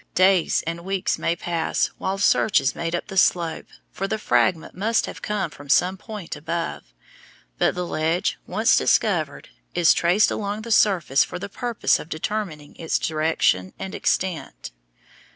Days and weeks may pass while search is made up the slope, for the fragment must have come from some point above. But the ledge, once discovered, is traced along the surface for the purpose of determining its direction and extent.